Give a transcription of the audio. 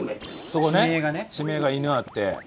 そこね地名が犬あって。